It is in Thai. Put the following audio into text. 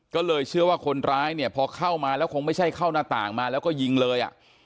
ก็เลยเชื่อว่าคนร้ายเนี่ยพอเข้ามาแล้วคงไม่ใช่เข้าหน้าต่างมาแล้วก็ยิงเลยอ่ะ